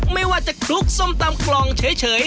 ไม่ว่าจะคลุกส้มตำกล่องเฉย